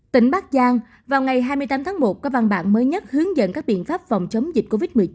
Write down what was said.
tỉnh bắc giang vào ngày hai mươi tám tháng một có văn bản mới nhất hướng dẫn các biện pháp phòng chống dịch covid một mươi chín